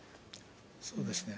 そうですね。